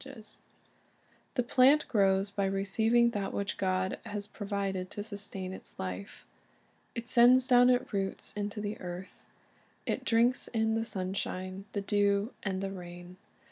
It drinks in the Sienshijie, the dew, and The plant grows by receiving that which God has pro vided to sustain its Hfe. It sends down its roots into the earth. It drinks in the sunshine, the dew, and the rain.